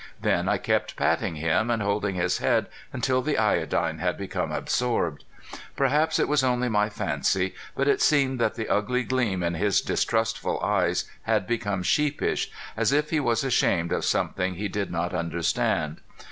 Then I kept patting him and holding his head until the iodine had become absorbed. Perhaps it was only my fancy, but it seemed that the ugly gleam in his distrustful eyes had become sheepish, as if he was ashamed of something he did not understand.